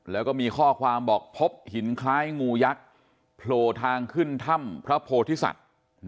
แล้วก็มีข้อความบอกพบหินคล้ายงูยักษ์โผล่ทางขึ้นถ้ำพระโพธิสัตว์